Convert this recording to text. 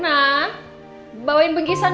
nah bawain bingkisan